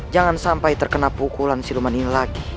jangan sampai terkena pukulan siluman ini lagi